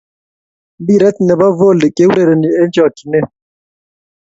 Mpiret ne bo Voli keurereni eng chokchinee.